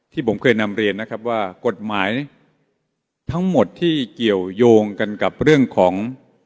ที่ผมเคยนำเรียนนะครับว่ากฎหมายทั้งหมดที่เกี่ยวยงกันกับเรื่องของ